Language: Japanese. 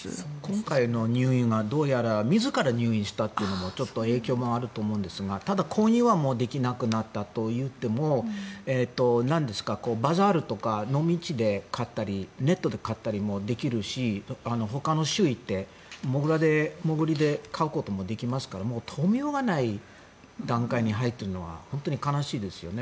今回の入院はどうやら自ら入院したというのもちょっと影響もあると思うんですがただ、購入はもうできなくなったといってもバザールとかノミ市で買ったりネットで買ったりもできるしほかの州に行ってもぐりで買うこともできますから止めようがない段階に入っているのは本当に悲しいですよね。